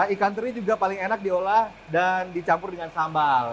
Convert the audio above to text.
ikan teri juga paling enak diolah dan dicampur dengan sambal